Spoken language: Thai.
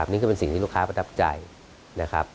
นี่ก็เป็นสิ่งที่ลูกค้าประทับใจนะครับ